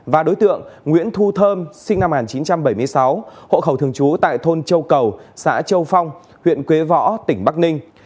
và đối tượng nguyễn thu thơm sinh năm một nghìn chín trăm bảy mươi sáu hộ khẩu thường trú tại thôn châu cầu xã châu phong huyện quế võ tỉnh bắc ninh